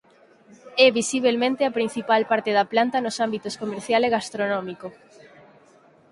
É visibelmente a principal parte da planta nos ámbitos comercial e gastronómico.